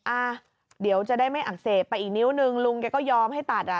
อ่ะเดี๋ยวจะได้ไม่อักเสบไปอีกนิ้วนึงลุงแกก็ยอมให้ตัดอ่ะ